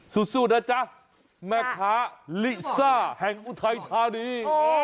สู้นะจ๊ะแม่ค้าลิซ่าแห่งอุทัยธานี